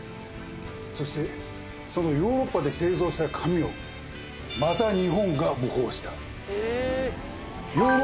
そしてそのヨーロッパで製造した紙をまた日本が模倣した。